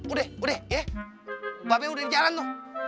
udah udah ya baabe udah jalan tuh